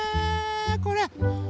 これ。